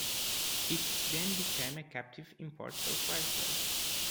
It then became a captive import for Chrysler.